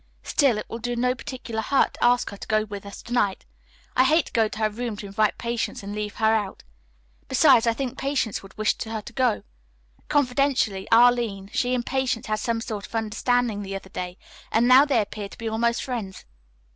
"Still, it will do no particular hurt to ask her to go with us to night. I hate to go to her room to invite Patience and leave her out. Besides, I think Patience would wish her to go. Confidentially, Arline, she and Patience had some sort of understanding the other day and now they appear to be almost friends."